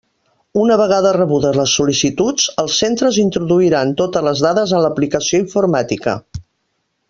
Una vegada rebudes les sol·licituds, els centres introduiran totes les dades en l'aplicació informàtica.